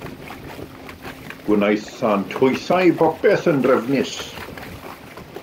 Gwnaethant hwythau bopeth yn drefnus.